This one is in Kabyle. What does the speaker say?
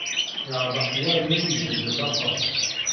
Yeɛreq war ma yejja-d lateṛ.